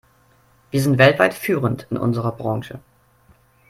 Wir sind weltweit führend in unserer Branche.